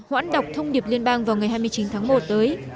hoãn đọc thông điệp liên bang vào ngày hai mươi chín tháng một tới